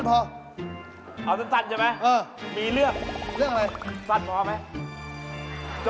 และของที่จะมาให้เลือกอยู่แทนแหน้วนค่ะ